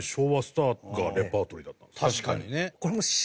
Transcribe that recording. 確かにね。